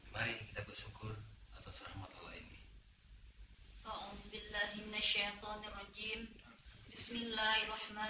mari kita bersyukur atas rahmat allah ini